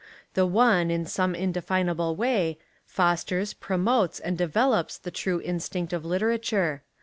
The one, In some indefinable way, fosters, promotes, and develops the true in stinct of literature.